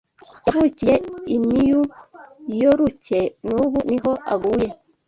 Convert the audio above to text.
Yavukiye i Niyu Yoruke nubu niho aguye